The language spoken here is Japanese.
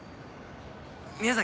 宮崎